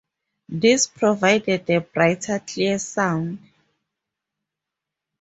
These provided a bright, clear sound.